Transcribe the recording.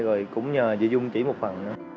rồi cũng nhờ dự dung chỉ một phần